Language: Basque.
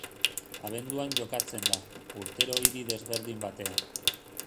Abenduan jokatzen da, urtero hiri desberdin batean.